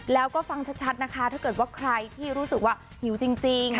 แล้วก็ฟังชัดนะคะถ้าเกิดว่าใครที่รู้สึกว่าหิวจริง